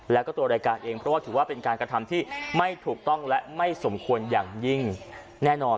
แล้วก็ตัวรายการเองเพราะว่าถือว่าเป็นการกระทำที่ไม่ถูกต้องและไม่สมควรอย่างยิ่งแน่นอน